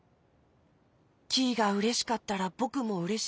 キイがうれしかったらぼくもうれしい。